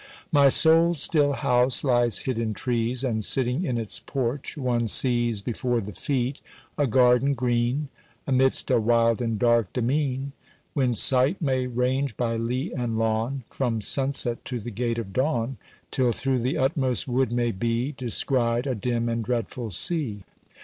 My soul's still house lies hid in trees, And sitting in its porch one sees, Before the feet, a garden green, Amidst a wild and dark demesne, When sight may range by lea and lawn, From sunset to the gate of dawn, Till through the utmost wood may be Descried a dim and dreadful sea.